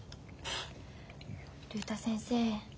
竜太先生